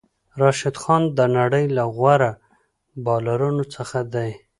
راشد خان د نړۍ له غوره بالرانو څخه دئ.